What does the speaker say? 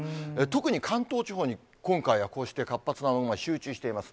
特に関東地方に、今回はこうして活発な雨雲が集中しています。